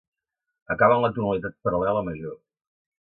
Acaba en la tonalitat paral·lela major.